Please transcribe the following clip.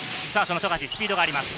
富樫スピードがあります。